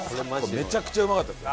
めちゃくちゃうまかったですよ。